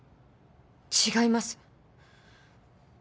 違います。